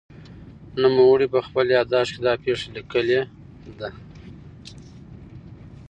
نوموړي په خپل یادښت کې دا پېښه لیکلې ده.